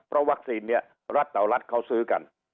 เพราะวัคซีนเนี่ยรัฐต่อรัฐเขาซื้อกัน